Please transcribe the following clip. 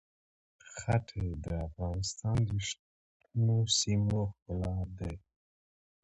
ښتې د افغانستان د شنو سیمو ښکلا ده.